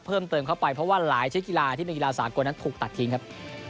เพิ่มเติมเข้าไปเพราะว่าหลายชิ้นกีฬาที่เป็นกีฬาสากลนั้นถูกตัดทิ้งครับ